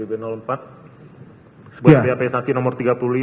sebelum di ap saksi nomor tiga puluh lima